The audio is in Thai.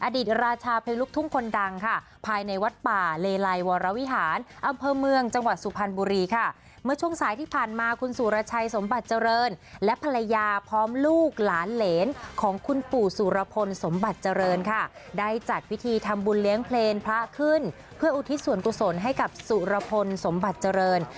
ได้จัดวิธีทำบูลเลี้ยงเพลงพระขึ้นเพื่ออุทิศส่วนกุศลให้กับสุรพลสมบัติเจริญ